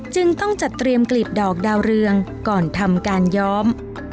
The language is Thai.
จึงต้องจัดเตรียมกลีบดอกดาวเรืองก่อนทำการย้อม